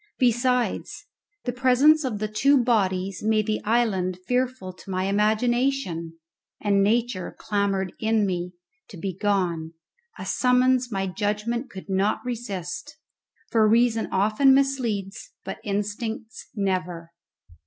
Besides, the presence of the two bodies made the island fearful to my imagination, and nature clamoured in me to be gone, a summons my judgment could not resist, for reason often misleads, but instincts never.